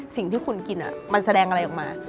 สิ่งที่คุณกินมันแสดงอะไรออกมา